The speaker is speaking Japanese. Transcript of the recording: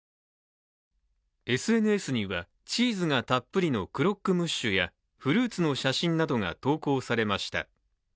ＳＮＳにはチーズがたっぷりのクロックムッシュや、フルーツの写真などが投稿されました。